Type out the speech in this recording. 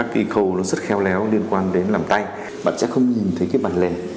khéo léo liên quan đến làm tay bạn sẽ không nhìn thấy cái bàn lề